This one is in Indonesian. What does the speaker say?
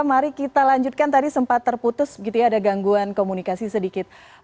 mari kita lanjutkan tadi sempat terputus gitu ya ada gangguan komunikasi sedikit